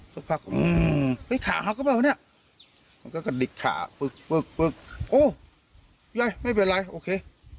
สักพักอืมขาเขาก็เปล่าเนี่ยมันก็กระดิกขาโอ้ยไม่เป็นไรโอเค